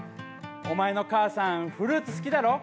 お前の母さん、フルーツ好きだろ。